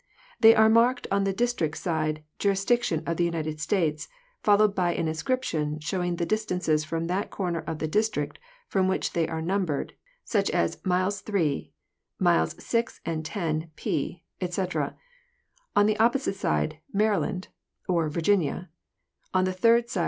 They are marked on the District side, "JURISDICTION of the UNITED STATES," followed by an inscription showing the dis tances from that corner of the District from which they are num bered, such as "Miles 3," "Miles 6 & zo P.," etc; on the opposite side, "Maryland" (or " VIRGINIA"); on the third side.